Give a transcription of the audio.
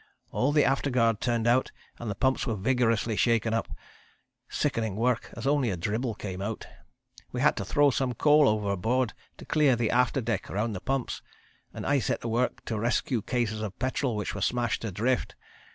All the afterguard turned out and the pumps were vigorously shaken up, sickening work as only a dribble came out. We had to throw some coal overboard to clear the after deck round the pumps, and I set to work to rescue cases of petrol which were smashed adrift.